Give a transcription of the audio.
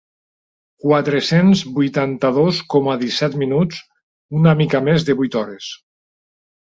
Quatre-cents vuitanta-dos coma disset minuts, una mica més de vuit hores.